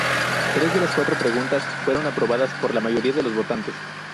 Tres de las cuatro preguntas fueron aprobadas por la mayoría de los votantes.